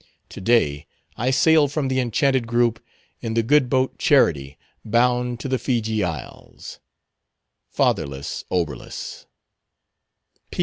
"To day I sail from the Enchanted group in the good boat Charity bound to the Feejee Isles. "FATHERLESS OBERLUS.